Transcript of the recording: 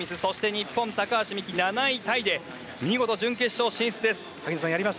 日本の高橋美紀は７位タイで見事準決勝進出です。